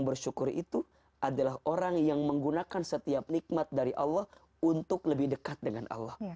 bersyukur itu adalah orang yang menggunakan setiap nikmat dari allah untuk lebih dekat dengan allah